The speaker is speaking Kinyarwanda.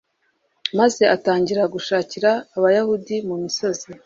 maze atangira gushakira abayahudi mu misozi